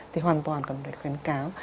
thì hoàn toàn cần phải khuyến cáo